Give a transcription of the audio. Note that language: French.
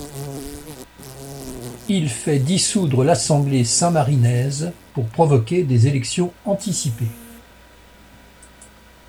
Il fait dissoudre l’assemblée saint-marinaise pour provoquer des élections anticipées.